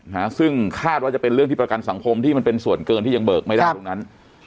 นะฮะซึ่งคาดว่าจะเป็นเรื่องที่ประกันสังคมที่มันเป็นส่วนเกินที่ยังเบิกไม่ได้ตรงนั้น